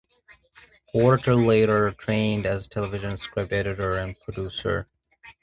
Porter later trained as a television script editor and producer.